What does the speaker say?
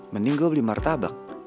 mending gua beli martabak